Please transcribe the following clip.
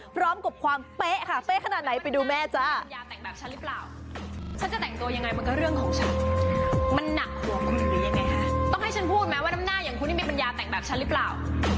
พร้อมกับความเป๊ะค่ะเป๊ะขนาดไหนไปดูแม่จ้า